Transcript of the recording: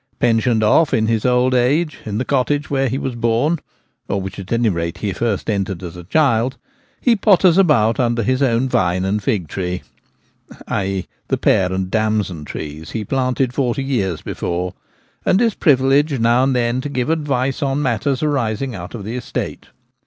Pensioned off in his old age in the cot tage where he was born, or which, at any rate, he first entered as a child, he potters about under his own vine and fig tree — i. e. the pear and damson trees he planted forty years before — and is privileged now 38 The Gamekeeper at Home. and then to give advice on matters arising out of the estate.